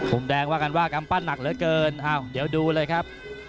มุมแดงว่ากันว่ากำปั้นหนักเหลือเกินอ้าวเดี๋ยวดูเลยครับ